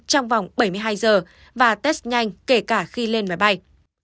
trong vòng bảy mươi hai giờ và test nhanh kể cả khi lên máy bay